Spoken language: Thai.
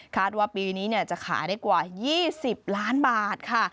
ว่าปีนี้จะขายได้กว่า๒๐ล้านบาทค่ะ